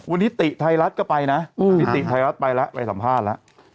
วันนี้ติไทยรัฐก็ไปนะไปสัมภาษณ์แล้ว